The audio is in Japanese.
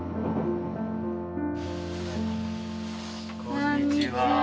こんにちは。